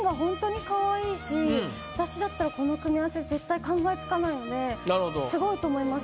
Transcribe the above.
私だったらこの組み合わせ絶対考えつかないのですごいと思います。